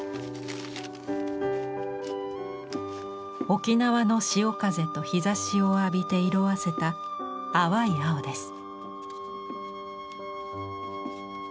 沖縄の潮風と日ざしを浴びて色あせた淡い青です。